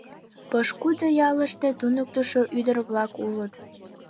Пошкудо яллаште туныктышо ӱдыр-влак улыт...